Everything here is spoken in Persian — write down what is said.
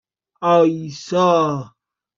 آیسا